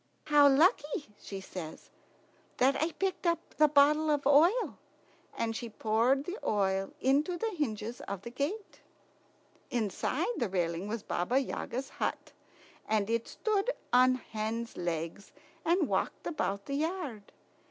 "How lucky," she says, "that I picked up the bottle of oil!" and she poured the oil into the hinges of the gates. Inside the railing was Baba Yaga's hut, and it stood on hen's legs and walked about the yard.